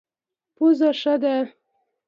پزه ښه ده.